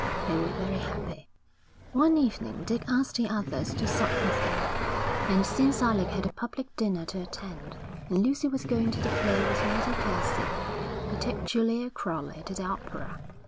They were very happy. One evening Dick asked the others to sup with him; and since Alec had a public dinner to attend, and Lucy was going to the play with Lady Kelsey, he took Julia Crowley to the opera.